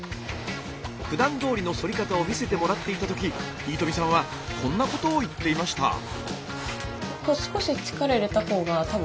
ふだんどおりのそり方を見せてもらっていた時飯富さんはこんなことを言っていました。